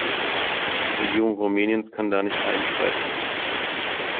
Die Regierung Rumäniens kann da nicht einschreiten.